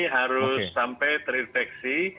harus sampai terinfeksi